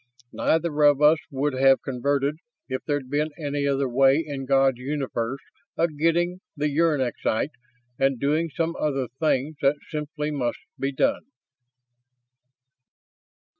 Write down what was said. Neither of us would have converted if there'd been any other way in God's universe of getting the uranexite and doing some other things that simply must be done."